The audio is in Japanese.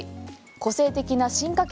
個性的な進化系